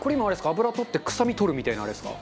油とって臭みとるみたいな、あれですか？